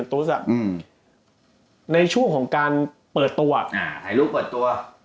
อ่ะอืมในชั่วของการเปิดตัวอ่าถ่ายรูปเปิดตัว